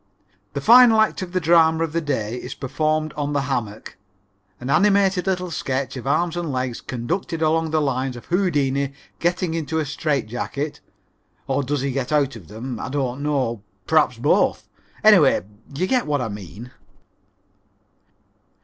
The final act of the drama of the day is performed on the hammock an animated little sketch of arms and legs conducted along the lines of Houdini getting into a strait jacket, or does he get out of them? I don't know, perhaps both. Anyway, you get what I mean.